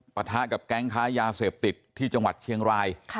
ปะทะกับแก๊งค้ายาเสพติดที่จังหวัดเชียงราย